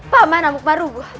pak mana mukbarubu